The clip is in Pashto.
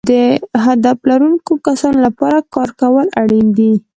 د هدف لرونکو کسانو لپاره کار کول اړین دي.